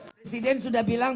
presiden sudah bilang